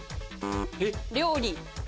料理。